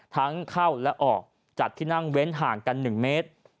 ทั้งเข้าและออกจากที่นั่งเว้นห่างกัน๑เมตร